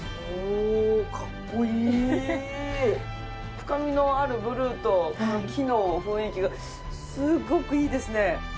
深みのあるブルーとこの木の雰囲気がすごくいいですね。